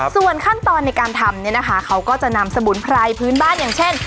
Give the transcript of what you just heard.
ส่วนขั้นตอนในการทำเนี่ยนะคะเขาก็จะนำสมุนไพรพื้นบ้านอย่างเช่น